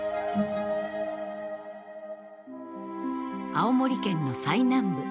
青森県の最南部。